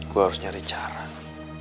kita berhenti sekarang